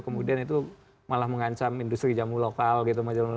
kemudian itu malah mengancam industri jamu lokal gitu